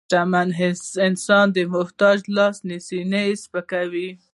شتمن انسان د محتاج لاس نیسي، نه یې سپکوي.